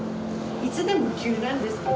いつでも急なんですけど。